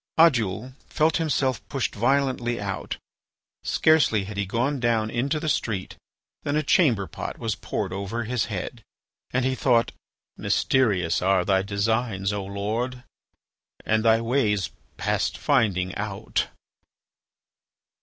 Oddoul felt himself pushed violently out. Scarcely had he gone down into the street than a chamber pot was poured over his head; and he thought: "Mysterious are thy designs, O Lord, and thy ways past finding out."